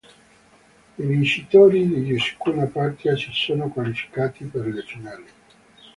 I vincitori di ciascuna partita si sono qualificati per le finali.